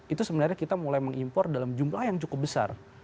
itu sebenarnya kita mulai mengimpor dalam jumlah yang cukup besar